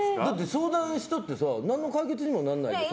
相談したって何の解決にもならないじゃん。